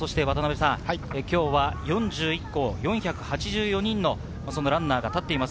今日は４１校、４８４人のランナーが立っています。